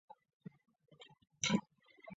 建中二年。